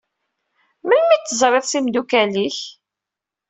Melmi terziḍ s imdukal-ik?